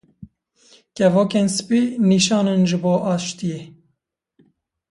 Kevokên spî nîşanin ji bo aştiyê.